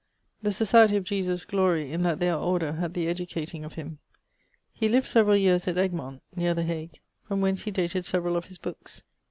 The Societie of Jesus glorie in that theyr order had the educating of him. He lived severall yeares at Egmont (neer the Hague), from whence he dated severall of his bookes.